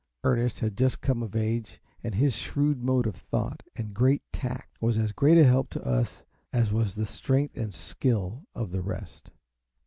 Ernest had just come of age, and his shrewd mode of thought and great tact was as great a help to us as was the strength and skill of the rest.